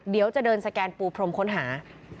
เดี๋ยวจะเดินสแกนปูพรมค้นหา